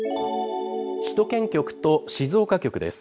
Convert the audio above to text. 首都圏局と静岡局です。